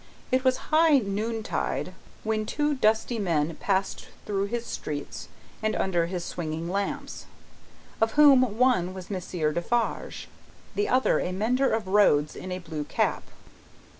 It was high noontide, when two dusty men passed through his streets and under his swinging lamps: of whom, one was Monsieur Defarge: the other a mender of roads in a blue cap.